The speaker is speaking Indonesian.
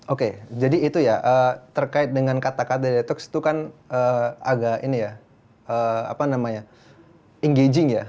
oke jadi itu ya terkait dengan kata kata detox itu kan agak ini ya apa namanya engaging ya